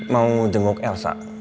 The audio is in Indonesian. mau jenguk elsa